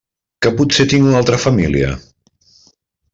Que potser tinc una altra família?